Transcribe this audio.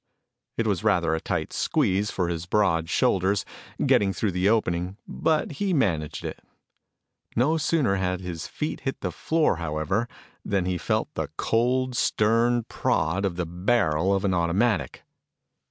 It was rather a tight squeeze for his broad shoulders, getting through the opening, but he managed it. No sooner had his feet hit the floor, however, than he felt the cold, stern prod of the barrel of an automatic.